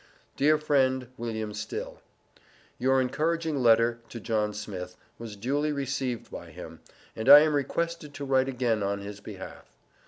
DEAR FRIEND, WILLIAM STILL: Your encouraging letter, to John Smith, was duly received by him, and I am requested to write again on his behalf.